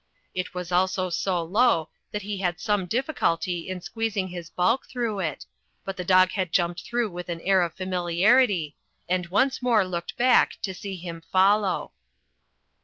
It was also so low that he had some difficulty in squeezing his bulk through it, but the dog had jumped through with an air of familiarity, and once more looked back to see him follow.